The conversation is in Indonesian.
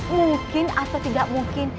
mungkin atau tidak mungkin